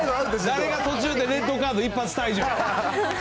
誰が途中でレッドカード一発退場やねん。